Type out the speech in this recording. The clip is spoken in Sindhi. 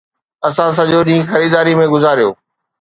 اسان سڄو ڏينهن خريداريءَ ۾ گذاريو